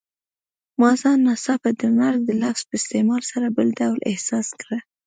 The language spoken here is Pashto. ما ځان ناڅاپه د مرګ د لفظ په استعمال سره بل ډول احساس کړ.